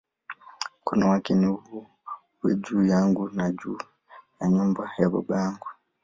Mkono wako na uwe juu yangu, na juu ya nyumba ya baba yangu"!